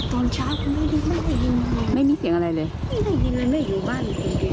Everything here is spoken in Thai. ตอนเช้าไม่ได้ยินไม่ได้ยินอะไรไม่มีเสียงอะไรเลยไม่ได้ยินอะไรไม่ได้อยู่บ้าน